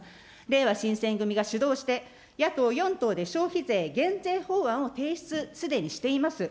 れいわ新選組が主導して、野党４党で消費税減税法案を提出、すでにしています。